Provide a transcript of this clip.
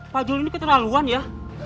pak jul ini keterlaluan ya